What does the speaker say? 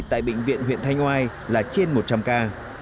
tại bệnh viện huyện thanh oai là trên một trăm linh ca